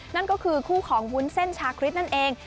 นั่นก็คือคู่ของวุ้นเส้นชาคริสนั่นเอง